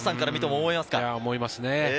思いますね。